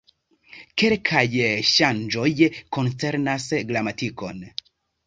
Kelkaj ŝanĝoj koncernas gramatikon.